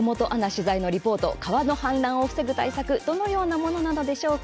取材のリポート川の氾濫を防ぐ対策どのようなものなのでしょうか？